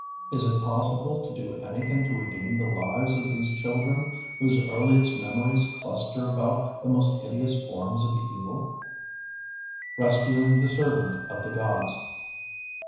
Is it possible to do anything to redeem the lives of these children whose earliest memories cluster about the most hideous forms of evil? [Sidenote: Rescuing the servant of the gods.